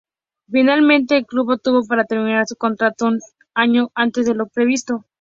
Finalmente, el club optó por terminar su contrato un año antes de lo previsto.